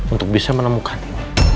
untuk bisa menemukanmu